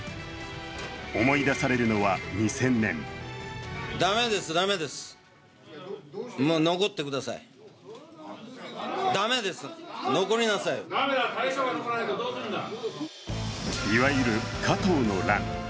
思い出されるのは２０００年いわゆる加藤の乱。